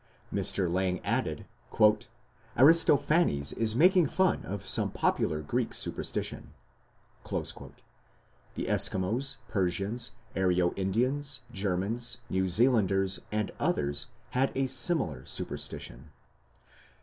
Mr. Lang added: "Aristophanes is making fun of some popular Greek superstition". The Eskimos, Persians, Aryo Indians, Germans, New Zealanders, and others had a similar superstition.